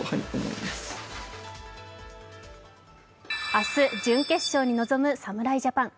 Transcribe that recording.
明日、準決勝に臨む侍ジャパン。